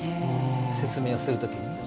説明する時にね。